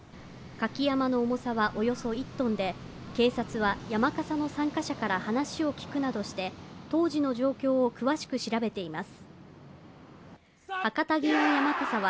舁き山笠の重さはおよそ１ｔで、警察は、山笠の参加者から話を聞くなどして当時の状況を詳しく調べています。